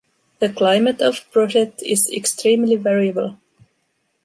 The climate of Brochet is extremely variable.